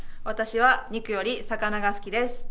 私は肉より魚が好きです。